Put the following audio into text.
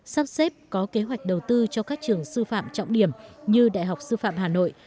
sắp xếp có kế hoạch đầu tư cho các trường sư phạm trọng điểm như đại học sư phạm hà nội